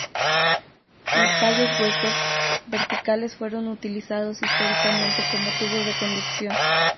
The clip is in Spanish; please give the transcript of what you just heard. Los tallos huecos, verticales fueron utilizados históricamente como tubos de conducción.